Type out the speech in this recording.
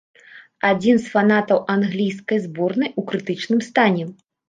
Адзін з фанатаў англійскай зборнай у крытычным стане.